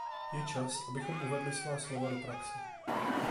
Je čas, abychom uvedli svá slova do praxe.